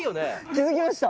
気付きました？